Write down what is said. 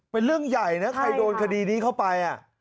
เป็นเรื่องใหญ่นะใครโดนคดีนี้เข้าไป